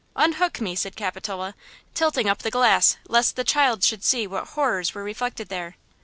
"Unhook me!" said Capitola, tilting up the glass lest the child should see what horrors were reflected there.